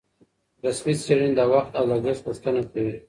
رسمي څېړنې د وخت او لګښت غوښتنه کوي.